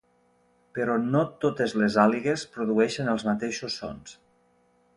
Però no totes les àligues produeixen els mateixos sons.